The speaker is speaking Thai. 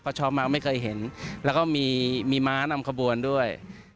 ก็ชอบมากไม่เคยเห็นแล้วก็มีม้านำกระบวนด้วย